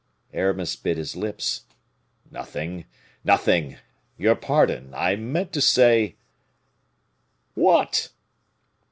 Aramis bit his lips. "Nothing! nothing! Your pardon, I meant to say " "What?"